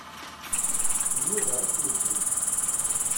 D Yuba i t-yewwin.